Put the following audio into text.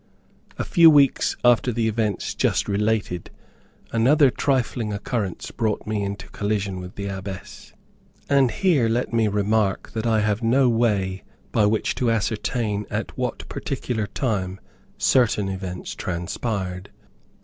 A few weeks after the events just related, another trifling occurrence brought me into collision with the Abbess. And here let me remark that I have no way, by which to ascertain at what particular time certain events transpired.